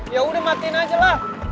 yaudah matiin aja lah